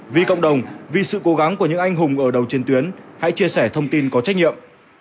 vì cộng đồng vì sự cố gắng của những anh hùng ở đầu trên tuyến hãy chia sẻ thông tin có trách nhiệm